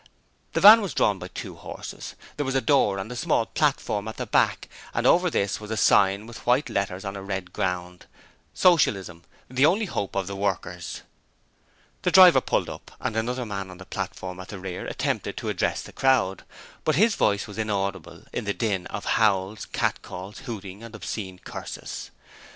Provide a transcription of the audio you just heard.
The van was drawn by two horses; there was a door and a small platform at the back and over this was a sign with white letters on a red ground: 'Socialism, the only hope of the Workers.' The driver pulled up, and another man on the platform at the rear attempted to address the crowd, but his voice was inaudible in the din of howls, catcalls, hooting and obscene curses.